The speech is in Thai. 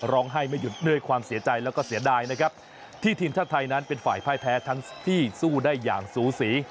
ร้องให้ไม่หยุดเนื่อยความเสียใจแล้วก็เสียดายนะครับที่ทีมท่าทายนั้นเป็นฝ่ายแพร่แท้ทั้งที่สู้ได้อย่างสูสี